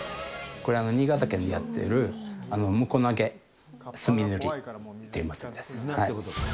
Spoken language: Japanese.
これ、新潟県でやってるむこ投げ・すみ塗りっていう祭りです。